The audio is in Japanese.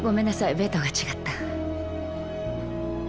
ベッドが違った。